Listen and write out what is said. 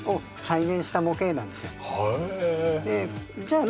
じゃあま